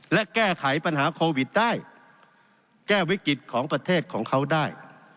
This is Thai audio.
และแก้ไขปัญหาโควิดได้แก้วิกฤตของประเทศของเขาได้